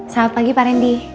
selamat pagi pak rendy